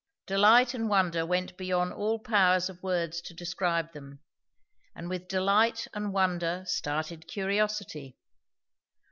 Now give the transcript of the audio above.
Delight and wonder went beyond all power of words to describe them. And with delight and wonder started curiosity.